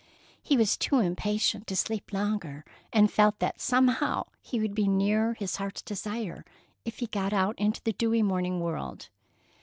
He was too impatient to sleep longer, and felt that somehow he would be nearer his heart's desire if he got out into the dewy morning world.